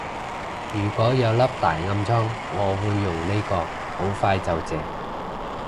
如果有粒大暗瘡我會用呢個，好快就謝